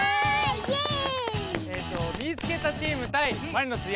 イエーイ！